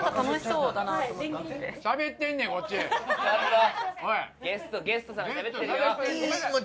ちょっとゲストさんがしゃべってるよ。